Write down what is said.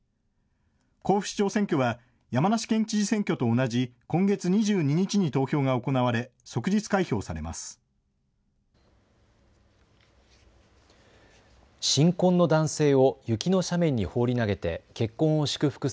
甲府市長選挙は山梨県知事選挙と同じ今月２２日に投票が行われ即日開票されます。